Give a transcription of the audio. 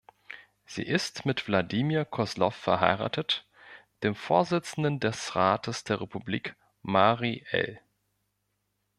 Sie ist mit Vladimir Kozlov verheiratet, dem Vorsitzenden des Rates der Republik Mari El.